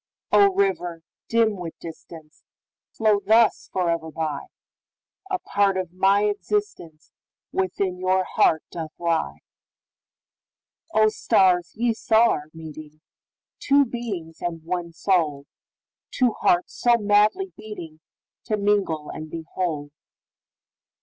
O, river, dim with distance, Flow thus forever by,A part of my existenceWithin your heart doth lie!O, stars, ye saw our meeting, Two beings and one soul, Two hearts so madly beatingTo mingle and be whole!